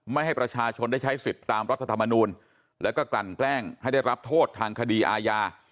ไม่ให้ประชาชนได้ใช้สิทธิ์ตามรัฐธรรมนูลแล้วก็กลั่นแกล้งให้ได้รับโทษทางคดีอาญา